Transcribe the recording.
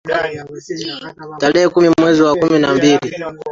tarehe kumi mwezi wa kumi na mbili